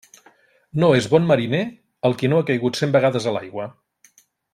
No és bon mariner el qui no ha caigut cent vegades a l'aigua.